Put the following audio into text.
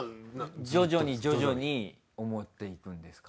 徐々に徐々に思っていくんですか？